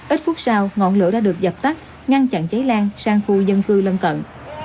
ít phút sau ngọn lửa đã được dập tắt ngăn chặn cháy lan sang khu dân cư lân cận